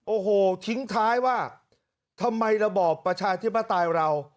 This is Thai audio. โอ้โหทิ้งท้ายว่าทำไมระบอบประชาธิปไตยเรา